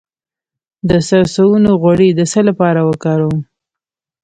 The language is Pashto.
د سرسونو غوړي د څه لپاره وکاروم؟